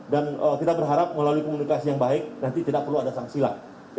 dan kita berharap melalui komunikasi yang baik nanti tidak perlu ada sangsilat